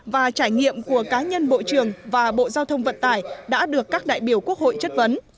và trải nghiệm của cá nhân bộ trưởng và bộ giao thông vận tải đã được các đại biểu quốc hội chất vấn